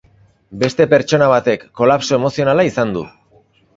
Beste pertsona batek kolapso emozionala izan du.